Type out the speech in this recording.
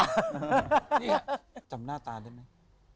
นี่จำหน้าตาได้ไหม